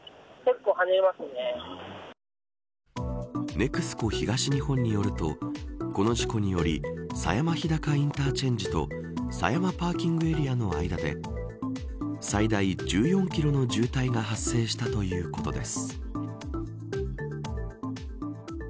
ＮＥＸＣＯ東日本によるとこの事故により狭山日高インターチェンジと狭山パーキングエリアの間で最大１４キロの渋滞が発生したということです。